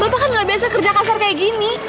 bapak kan gak biasa kerja kasar kayak gini